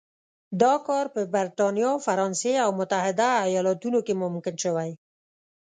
دا کار په برېټانیا، فرانسې او متحده ایالتونو کې ممکن شوی.